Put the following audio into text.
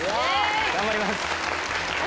頑張ります。